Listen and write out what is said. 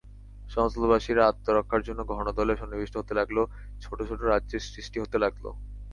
সমতলবাসীরা আত্মরক্ষার জন্য ঘনদলে সন্নিবিষ্ট হতে লাগল, ছোট ছোট রাজ্যের সৃষ্টি হতে লাগল।